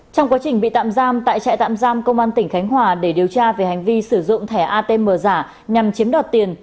trong quá trình bị tạm giam tại trại tạm giam công an tỉnh khánh hòa để điều tra về hành vi sử dụng thẻ atm giả nhằm chiếm đoạt tiền